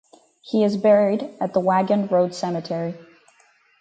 He is buried at the Waggon Road Cemetery.